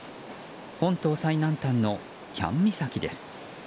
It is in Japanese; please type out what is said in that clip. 本島最南端の喜屋武岬です。